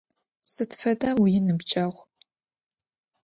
Sıd feda vuinıbceğu?